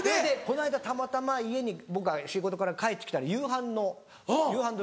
この間たまたま家に僕が仕事から帰って来たら夕飯の夕飯時で。